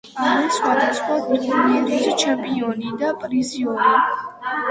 არის სხვადასხვა ტურნირის ჩემპიონი და პრიზიორი.